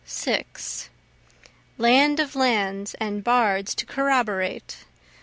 6 Land of lands and bards to corroborate!